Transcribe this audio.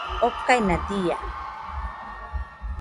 okaina dia